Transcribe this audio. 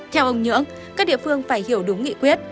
theo ông nhưỡng các địa phương phải hiểu đúng nghị quyết